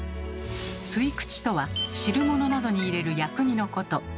吸口とは汁物などに入れる薬味のこと。